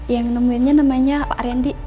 yang menemukannya namanya pak randy